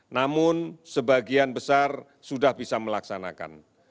namun sebagian besar sudah bisa melaksanakan